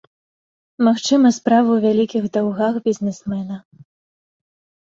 Магчыма, справа ў вялікіх даўгах бізнесмена.